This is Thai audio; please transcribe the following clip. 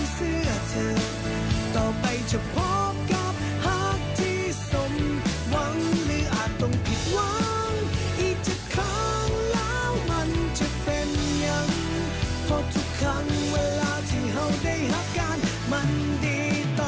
สวัสดี